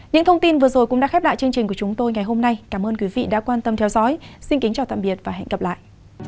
những thông tin vừa rồi cũng đã khép lại chương trình của chúng tôi ngày hôm nay cảm ơn quý vị đã quan tâm theo dõi xin kính chào tạm biệt và hẹn gặp lại